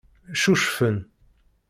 Ccucfen.